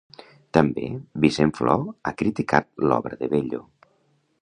També Vicent Flor ha criticat l'obra de Bello.